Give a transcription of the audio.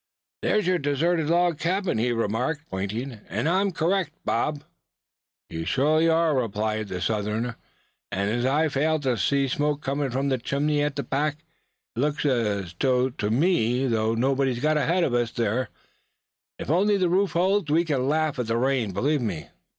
"There's your deserted log cabin!" he remarked, pointing. "Am I correct, Bob?" "You surely are, suh," replied the Southerner. "And as I fail to see smoke coming from the chimney at the back, it looks to me as though nobody had got ahead of us there. If the roof only holds, we can laugh at the rain, believe me."